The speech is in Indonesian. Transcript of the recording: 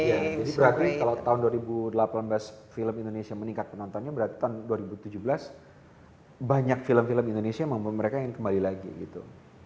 jadi berarti kalau tahun dua ribu delapan belas film indonesia meningkat penontonnya berarti tahun dua ribu tujuh belas banyak film film indonesia memang mereka ingin kembali lagi gitu